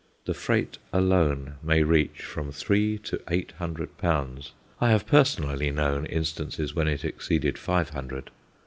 The freight alone may reach from three to eight hundred pounds I have personally known instances when it exceeded five hundred.